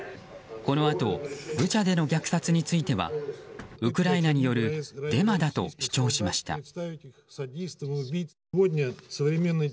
このあとブチャでの虐殺についてはウクライナによるデマだと主張しました。